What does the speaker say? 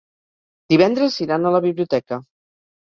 Divendres iran a la biblioteca.